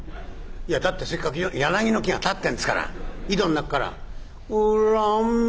「いやだってせっかく柳の木が立ってんですから井戸の中から『恨めし』」。